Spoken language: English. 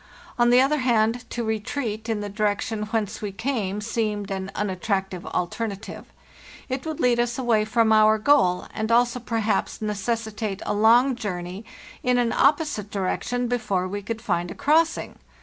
On the other hand, to retreat in the direction whence we came seemed an unattractive alternative; it would lead us away from our goal, and also perhaps necessitate a long journey in an opposite direction before we could find a crossing.